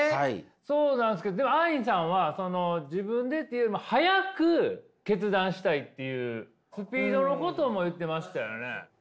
そうなんですけどでもアインさんは自分でっていうよりもスピードのことも言ってましたよね。